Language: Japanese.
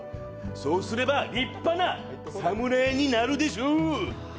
そうすれば立派な侍になるでしょう。